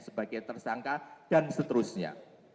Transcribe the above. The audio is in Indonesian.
sebagai tersangka dan seterusnya